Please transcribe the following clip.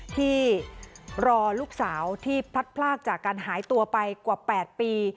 ที่รอลูกสาวที่พลัดพลากจากการหายตัวไปกว่า๘ปี